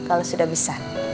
kalau sudah bisa